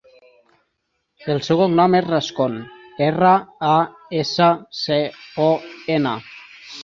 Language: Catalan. El seu cognom és Rascon: erra, a, essa, ce, o, ena.